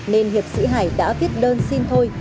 nên hiệp sĩ hải đã viết đơn xin thôi